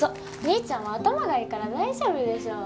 兄ちゃんは頭がいいから大丈夫でしょ。